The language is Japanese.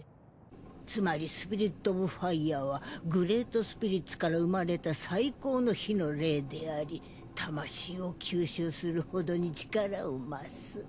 つまりスピリットオブファイアはグレートスピリッツから生まれた最高の火の霊であり魂を吸収するほどに力を増す。